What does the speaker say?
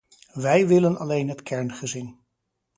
Wij willen alleen het kerngezin.